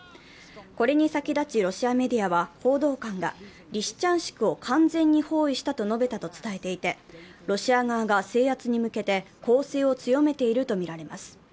これに先立ち、ロシアメディアは報道官が、リシチャンシクを完全に包囲したと述べたと伝えていて、ロシア側が制圧に向けて攻勢を強めているとみられます。